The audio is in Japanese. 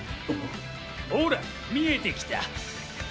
ほら見えてきた。